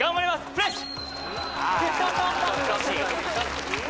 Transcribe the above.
フレッシュ！